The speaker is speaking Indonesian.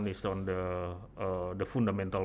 yang pertama adalah yang fundamental